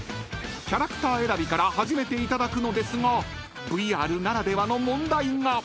［キャラクター選びから始めていただくのですがＶＲならではの問題が］